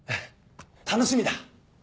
楽しみだ！